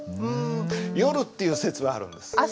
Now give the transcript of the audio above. うん夜っていう説はあるんです。